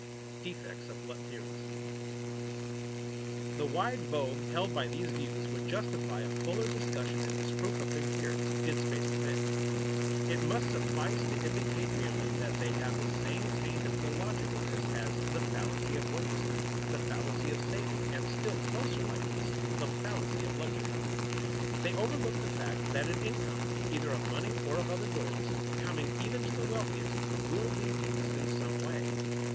[Sidenote: Defects of glut theories] The wide vogue held by these views would justify a fuller discussion and disproof of them here, did space permit. It must suffice to indicate merely that they have the same taint of illogicalness as the "fallacy of waste," the "fallacy of saving" and, still closer likeness, the "fallacy of luxury." They overlook the fact that an income, either of money or of other goods, coming even to the wealthiest, will be used in some way.